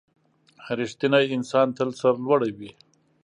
• رښتینی انسان تل سرلوړی وي.